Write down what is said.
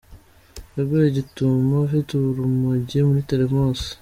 Yaguwe gitumo afite urumogi muri teremosi